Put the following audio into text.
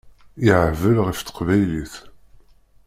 Yehbel ɣef teqbaylit.